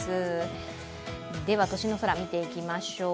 では都心の空、見ていきましょう。